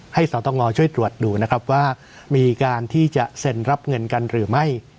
สตงช่วยตรวจดูนะครับว่ามีการที่จะเซ็นรับเงินกันหรือไม่